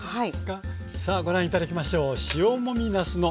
さあご覧頂きましょう。